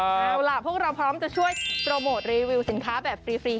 เอาล่ะพวกเราพร้อมจะช่วยโปรโมทรีวิวสินค้าแบบฟรี